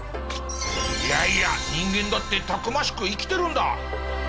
いやいや人間だってたくましく生きてるんだ！